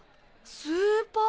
スーパー。